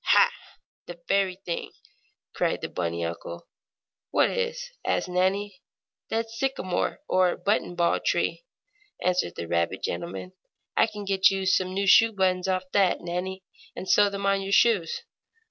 "Ha! The very thing!" cried the bunny uncle. "What is?" asked Nannie. "That sycamore, or button ball tree," answered the rabbit gentleman. "I can get you some new shoe buttons off that, Nannie, and sew them on your shoes."